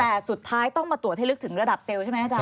แต่สุดท้ายต้องมาตรวจให้ลึกถึงระดับเซลล์ใช่ไหมอาจาร